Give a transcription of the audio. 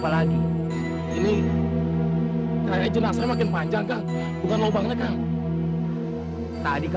lu tetep berantar sih